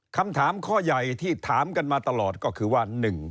คำถามข้อใหญ่ที่ถามกันมาตลอดก็คือว่า